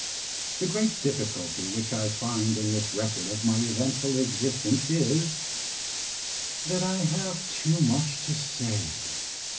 The great difficulty which I find in this record of my eventful existence is, that I have too much to say.